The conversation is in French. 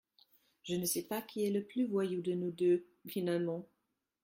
Je ne sais pas qui est le plus voyou de nous deux, finalement